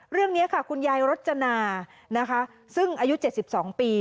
เรื่องนี้ค่ะคุณยายรจนานะคะซึ่งอายุ๗๒ปี